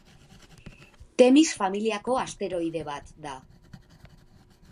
Temis familiako asteroide bat da.